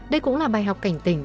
đây cũng là bài học cảnh tình